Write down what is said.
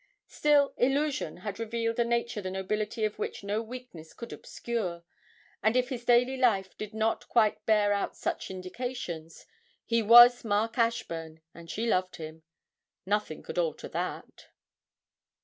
Still 'Illusion' had revealed a nature the nobility of which no weaknesses could obscure, and if his daily life did not quite bear out such indications, he was Mark Ashburn, and she loved him. Nothing could alter that.